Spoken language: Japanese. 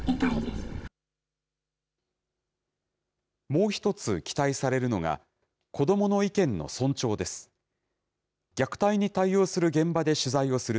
もう１つ、期待されるのが、子どもの意見の尊重です。